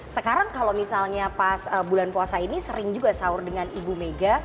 sekarang kalau misalnya pas bulan puasa ini sering juga sahur dengan ibu mega